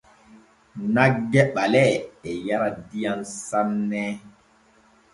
Nagge ɓalee e yara diyam sanne.